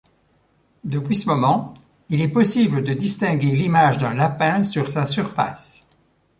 Depuis ce moment, il est possible de distinguer l'image d'un lapin sur sa surface.